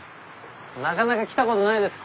なかなか来たことないです。